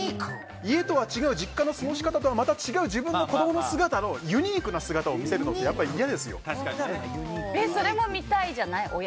家とは違う実家の過ごし方とはまた違う自分の子供の姿のユニークな姿を見せるのはそれも見たいじゃない？